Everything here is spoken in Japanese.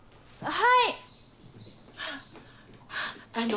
はい。